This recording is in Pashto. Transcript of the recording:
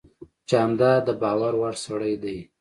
جانداد د باور وړ سړی دی.